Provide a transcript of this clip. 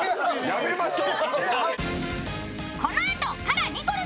やめましょ。